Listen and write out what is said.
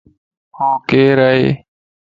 اھو ڪيرائي؟